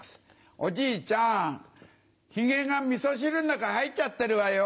おじいちゃんヒゲが味噌汁の中入っちゃってるわよ。